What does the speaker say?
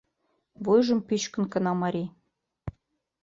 Вуйжым пӱчкын Кына марий.